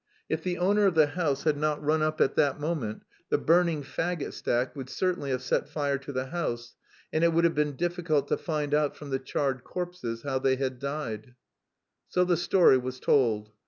If the owner of the house had not run up at that moment the burning faggot stack would certainly have set fire to the house and "it would have been difficult to find out from the charred corpses how they had died." So the story was told.